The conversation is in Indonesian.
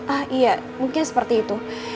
ah iya mungkin seperti itu